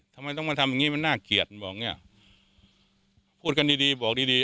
ทำไมต้องมาทำอย่างงี้มันน่าเกลียดบอกเนี้ยพูดกันดีดีบอกดีดี